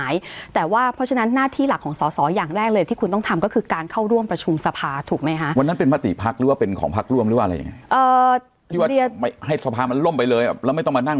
และไม่ต้องมานั่งโตรการจธิ์การเทคนิคเลยตรงนั้น